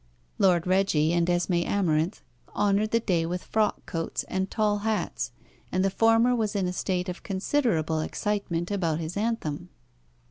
Lord Reggie and Esmé Amarinth honoured the day with frock coats and tall hats; and the former was in a state of considerable excitement about his anthem.